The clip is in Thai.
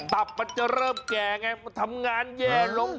ตับมันจะเริ่มแก่ไงมันทำงานแย่ลง